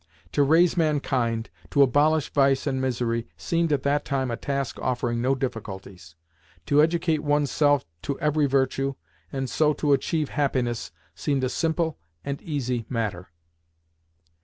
To raise mankind, to abolish vice and misery, seemed at that time a task offering no difficulties. To educate oneself to every virtue, and so to achieve happiness, seemed a simple and easy matter.